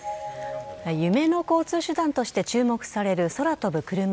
夢の交通手段として注目される空飛ぶ車。